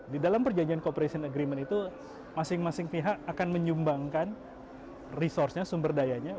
di dalam perjanjian cooperation agreement itu masing masing pihak akan menyumbangkan resource nya sumber dayanya